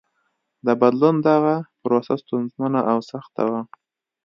د بدلون دغه پروسه ستونزمنه او سخته وه.